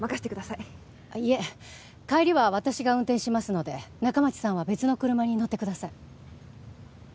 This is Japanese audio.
いえ帰りは私が運転しますので仲町さんは別の車に乗ってください